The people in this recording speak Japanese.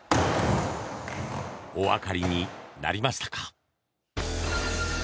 お分かりになりましたか？